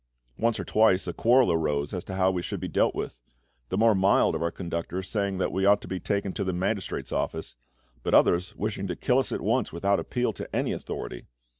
Once or twice a quarrel arose as to how we should be dealt with; the more mild of our conductors saying that we ought to be taken to the magistrate's office, but others wishing to kill us at once without appeal to any authority.